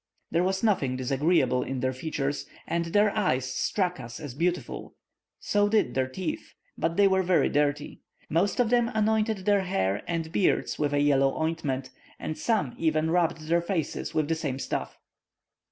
There was nothing disagreeable in their features, and their eyes struck us as beautiful, so did their teeth, but they were very dirty. Most of them anointed their hair and beards with a yellow ointment, and some even rubbed their faces with the same stuff."